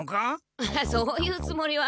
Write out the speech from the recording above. そういうつもりは。